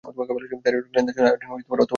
Thyroid গ্ল্যান্ডের জন্যে iodine অত্যাবশ্যকীয়।